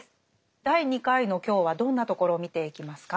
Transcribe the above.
第２回の今日はどんなところを見ていきますか？